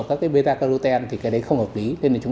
các cái beta carotene thì cái đấy không hợp lý